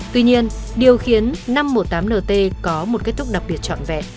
tuy nhiên điều khiến năm trăm một mươi tám nt có một kết thúc đặc biệt trọn vẹn